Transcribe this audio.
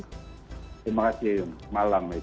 terima kasih malam maik